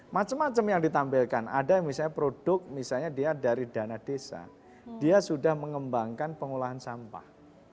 macam macam yang ditampilkan ada misalnya produk misalnya dia dari dana desa dia sudah mengembangkan pengolahan sampah